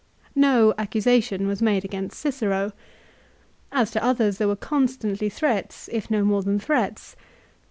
No accusation was made against Cicero. As to others there were constantly threats, if no more than threats.